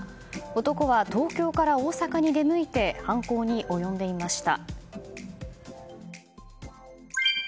男は東京から大阪に出向いて犯行に及んでいました。